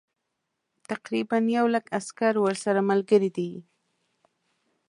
تقریبا یو لک عسکر ورسره ملګري دي.